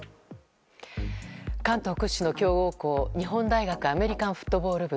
関東屈指の強豪校、日本大学アメリカンフットボール部。